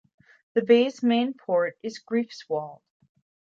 The bay's main port is Greifswald.